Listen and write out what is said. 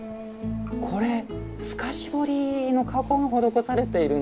これ透かし彫りの加工が施されているんですよね。